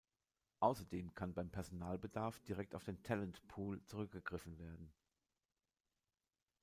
Außerdem kann beim Personalbedarf direkt auf den Talent Pool zurückgegriffen werden.